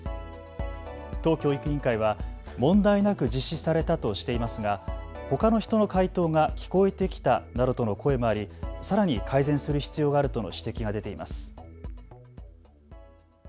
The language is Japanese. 都教育委員会は問題なく実施されたとしていますがほかの人の解答が聞こえてきたなどとの声もありさらに改善する必要があるとの指摘が出ています。